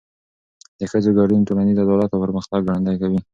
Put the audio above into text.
د ښځو ګډون ټولنیز عدالت او پرمختګ ګړندی کوي.